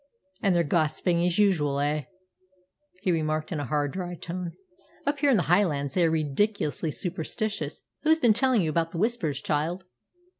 "And they're gossiping as usual, eh?" he remarked in a hard, dry tone. "Up here in the Highlands they are ridiculously superstitious. Who's been telling you about the Whispers, child?"